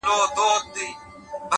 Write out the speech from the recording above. هوښیار انسان احساسات سم لوري ته بیایي’